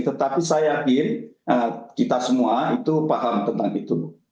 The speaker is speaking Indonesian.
tetapi saya yakin kita semua itu paham tentang itu